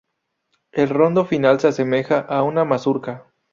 El rondó final se asemeja a una mazurca.